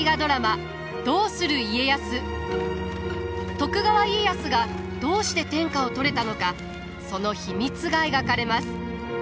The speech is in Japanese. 徳川家康がどうして天下を取れたのかその秘密が描かれます。